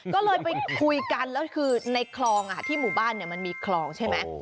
ก็เลยไปคุยกันแล้วคือในคลองที่หมู่บ้านมันมีคลองใช่ไหม